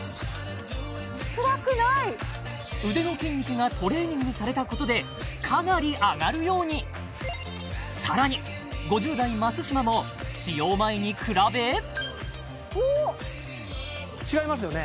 つらくない腕の筋肉がトレーニングされたことでかなり上がるようにさらに５０代松嶋も使用前に比べ違いますよね